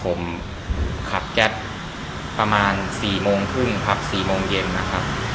ผมขับแจ๊บประมาณ๔โมงครึ่งครับ๔โมงเย็นนะครับ